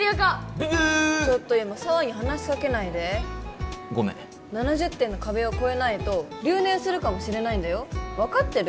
ブッブちょっと今紗羽に話しかけないでごめん７０点の壁を越えないと留年するかもしれないんだよ分かってる？